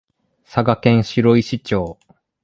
佐賀県白石町